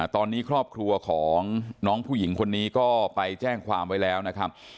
ตอนนี้ครอบครัวของน้องผู้หญิงคนนี้ก็ไปแจ้งความไว้แล้วนะครับ